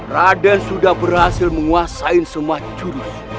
raden sudah berhasil menguasai semua jurus